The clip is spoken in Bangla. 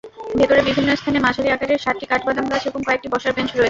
ভেতরে বিভিন্ন স্থানে মাঝারি আকারের সাতটি কাঠবাদামগাছ এবং কয়েকটি বসার বেঞ্চ রয়েছে।